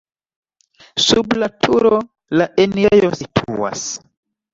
Sub la turo la enirejo situas.